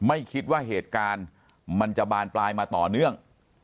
อาการมันจะบานปลายมาต่อเนื่อง